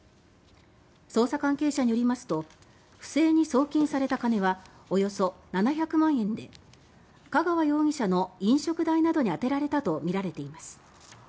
捜査関係者によりますと不正に送金された金はおよそ７００万円で香川容疑者の飲食代などに充てられたとみられています。